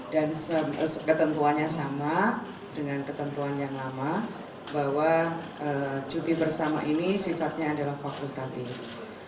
dan ketentuannya sama dengan ketentuan yang lama bahwa cuti bersama ini sifatnya adalah fakultatif